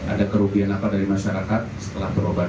ada kerugian apa dari masyarakat setelah berobat